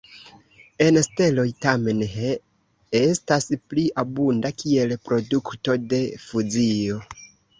En steloj, tamen, He estas pli abunda, kiel produkto de fuzio.